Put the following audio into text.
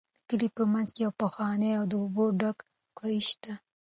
د کلي په منځ کې یو پخوانی او د اوبو ډک کوهی شته.